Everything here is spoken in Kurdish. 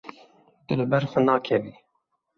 Tu li ber xwe nakevî.